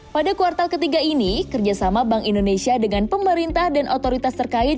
pada kuartal ketiga ini kerjasama bank indonesia dengan pemerintah dan otoritas terkait